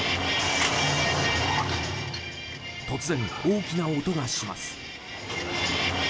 突然、大きな音がします。